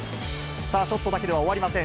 ショットだけでは終わりません。